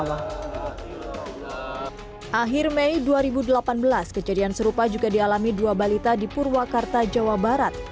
akhir mei dua ribu delapan belas kejadian serupa juga dialami dua balita di purwakarta jawa barat